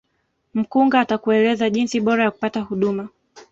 mkunga atakueleza njia bora ya kupata huduma